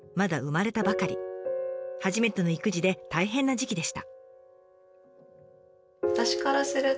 初めての育児で大変な時期でした。